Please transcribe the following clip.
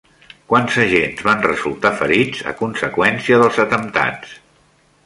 Quants agents van resultar ferits a conseqüència dels atemptats?